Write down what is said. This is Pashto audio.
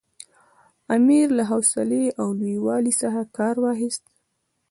امیر له حوصلې او لوی والي څخه کار واخیست.